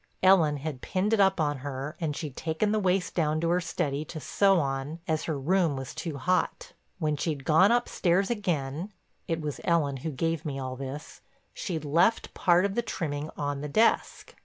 Ellen had pinned it up on her and she'd taken the waist down to her study to sew on as her room was too hot. When she'd gone upstairs again—it was Ellen who gave me all this—she'd left part of the trimming on the desk.